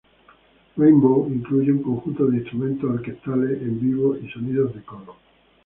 Rainbow incluye un conjunto de instrumentos orquestales en vivo y sonidos de coro.